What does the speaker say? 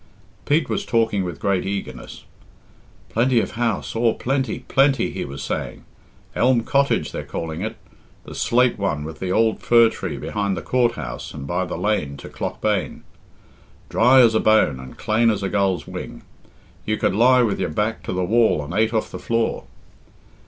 Pete was talking with great eagerness. "Plenty of house, aw plenty, plenty," he was saying. "Elm Cottage they're calling it the slate one with the ould fir tree behind the Coort House and by the lane to Claughbane. Dry as a bone and clane as a gull's wing. You could lie with your back to the wall and ate off the floor.